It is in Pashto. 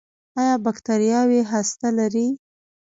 ایا بکتریاوې هسته لري؟